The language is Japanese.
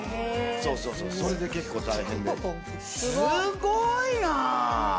そうそうそうそれで結構大変ですごっ